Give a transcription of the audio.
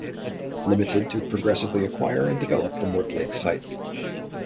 Limited to progressively acquire and develop the Mortlake site.